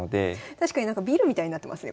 確かにビルみたいになってますね